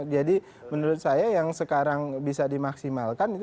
jadi menurut saya yang sekarang bisa dimaksimalkan itu salah satu